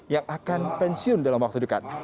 yang akan pensiun dalam waktu dekat